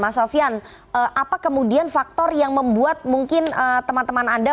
mas sofian apa kemudian faktor yang membuat mungkin teman teman anda